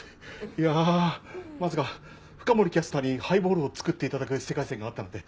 いやあまさか深森キャスターにハイボールを作って頂く世界線があったなんて。